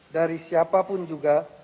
dari siapapun juga